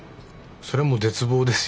そりゃもう絶望ですよ。